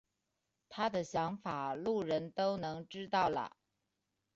他的想法路人都能知道了。